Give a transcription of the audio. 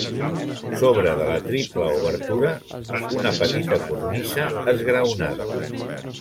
Sobre de la triple obertura una petita cornisa esgraonada.